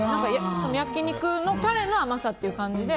焼き肉のタレの甘さっていう感じで。